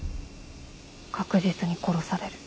確実に殺される。